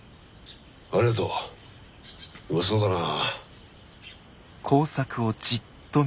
ありがとう。うまそうだな。